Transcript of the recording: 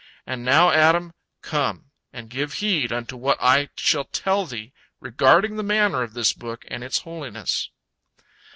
And now, Adam, come and give heed unto what I shall tell thee regarding the manner of this book and its holiness."